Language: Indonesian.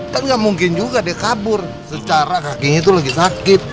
kan gak mungkin juga deh kabur secara kakinya tuh lagi sakit